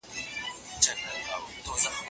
مور د ماشوم د تشناب عادتونه سموي.